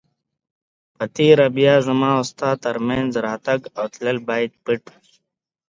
په تېره بیا زما او ستا تر مینځ راتګ او تلل باید پټ وي.